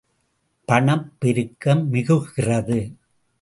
பணப் பெருக்கம் மிகுகிறது.